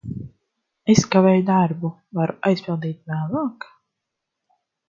Es kavēju darbu. Varu aizpildīt vēlāk?